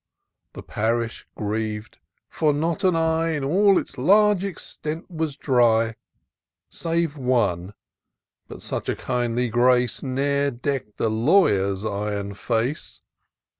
The parish griev'd, for not an eye In all its large extent was dry. Save one ;— ^but such a kindly grace Ne'er deck'd the lawyer'^ iron face.